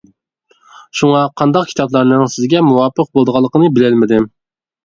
شۇڭا قانداق كىتابلارنىڭ سىزگە مۇۋاپىق بولىدىغانلىقىنى بىلەلمىدىم.